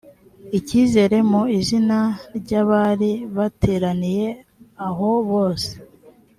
icyizere mu izina ry abari bateraniye aho bose